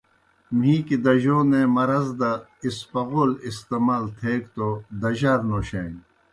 مِھیکی دجونے مرض دہ اسپغول استعمال تھیگہ توْ دجار نوشانیْ۔